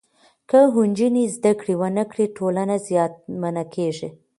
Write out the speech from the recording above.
که نجونې زدهکړه ونکړي، ټولنه زیانمنه کېږي.